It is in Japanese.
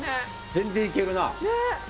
全然いけるな。